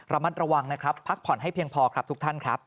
ระมัดระวังนะครับพักผ่อนให้เพียงพอครับทุกท่านครับ